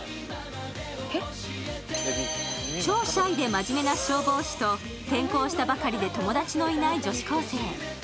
超シャイで真面目な消防士と転向したばかりで友達のいない女子高生。